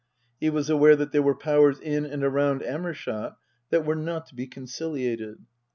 He was aware that there were powers in and around Amer shott that were not to be conciliated.